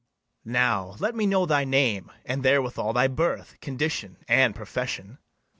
Now let me know thy name, and therewithal Thy birth, condition, and profession.